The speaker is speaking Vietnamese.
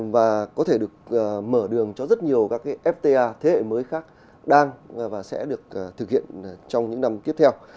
và có thể được mở đường cho rất nhiều các cái fta thế hệ mới khác đang và sẽ được thực hiện trong những năm tiếp theo